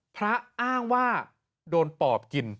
อ้างว่าโดนปอบกิน